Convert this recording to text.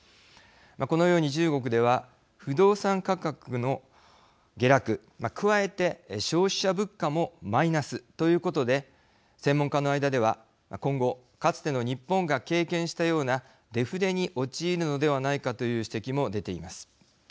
このように中国では不動産価格の下落加えて消費者物価もマイナスということで専門家の間では今後かつての日本が経験したようなデフレに陥るのではないかという指摘も出ています。